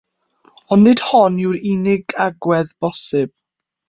Ond nid hon yw'r unig agwedd bosibl.